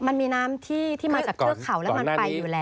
มันมีน้ำที่มาจากเทือกเขาแล้วมันไปอยู่แล้ว